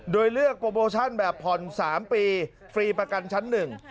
โดยเลือกโปรโมชั่นแบบผ่อน๓ปีฟรีประกันชั้นหนึ่ง